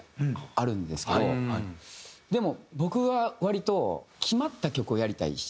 でも僕は割と。